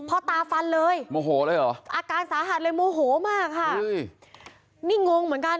พ่อตาฟันเลยโมโหเลยเหรออาการสาหัสเลยโมโหมากค่ะนี่งงเหมือนกัน